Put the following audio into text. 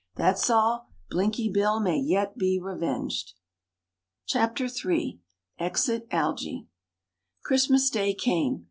That's all! Blinky Bill may yet be revenged!" Chapter III. EXIT ALGY Christmas Day came.